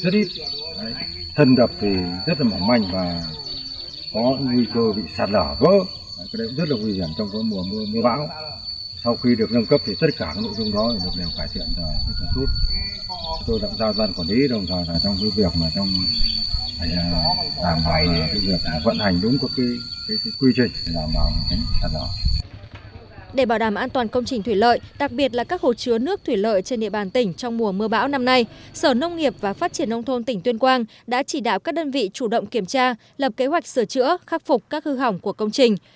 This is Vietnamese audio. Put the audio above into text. để bảo đảm an toàn công trình thủy lợi đặc biệt là các hồ chứa nước thủy lợi trên địa bàn tỉnh trong mùa mưa bão năm nay sở nông nghiệp và phát triển nông thôn tỉnh tuyên quang đã chỉ đạo các đơn vị chủ động kiểm tra lập kế hoạch sửa chữa khắc phục các hư hỏng của công trình